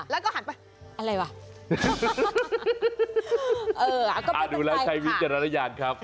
แล้วก็หันไปอะไรวะเออดูแล้วใช้วิจารณญาณครับ